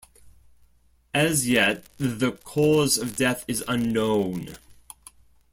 As yet the cause of death is unknown.